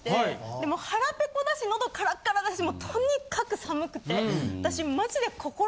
でもう腹ペコだし喉カラカラだしもうとにかく寒くて私マジで。